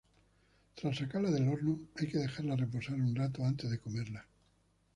Tras sacarla del horno hay que dejarla reposar un rato antes de comerla.